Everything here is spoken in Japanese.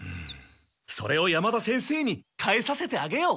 それを山田先生に返させてあげよう！